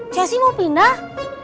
jessy mau pindah